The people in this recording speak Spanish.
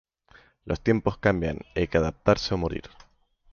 Los tiempos cambian y hay que adaptarse o morir